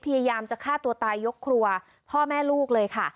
พยายามจะฆ่าตัวตายยกครัวพ่อแม่ลูกเลยค่ะ